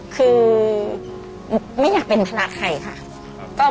คือไม่อยากเป็นธนาใครค่ะ